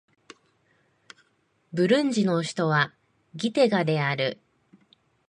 ブルンジの首都はギテガである